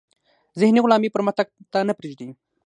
ذهني غلامي پرمختګ ته نه پریږدي.